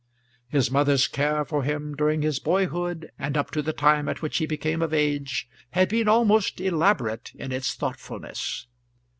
His mother's care for him during his boyhood, and up to the time at which he became of age, had been almost elaborate in its thoughtfulness.